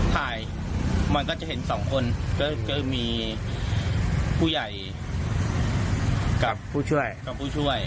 ถ่ายมันก็จะเห็นสองคนก็จะมีผู้ใหญ่กับผู้ช่วย